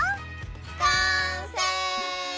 完成！